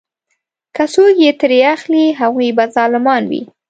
که څوک یې ترې اخلي هغوی به ظالمان وي.